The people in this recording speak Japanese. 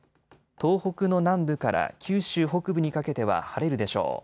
東北の南部から九州北部にかけては晴れるでしょう。